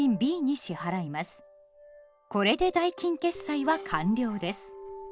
これで代金決済は完了です。